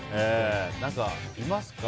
何かいますか？